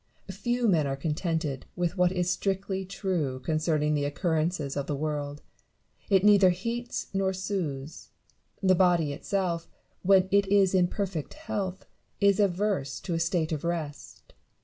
Few men are contented with what is strictly true con cerning the occurrences of the world : it neither heats nor soothes. The body itself, when it is in perfect health, is averse to a state of rest.